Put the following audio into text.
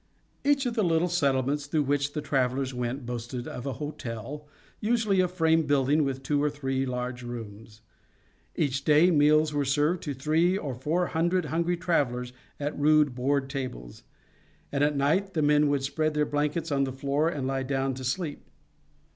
Each of the little settlements through which the travelers went boasted of a hotel, usually a frame building with two or three large rooms. Each day meals were served to three or four hundred hungry travelers at rude board tables, and at night the men would spread their blankets on the floor and lie down to sleep.